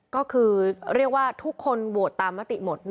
ก็คือเรียกว่าทุกคนโหวตตามมติหมด